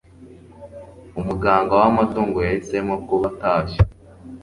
Umuganga w'amatungo yahisemo kuba atashye